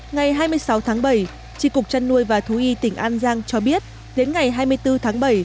ngày hai mươi sáu tháng bảy tri cục trăn nuôi và thú y tỉnh an giang cho biết đến ngày hai mươi bốn tháng bảy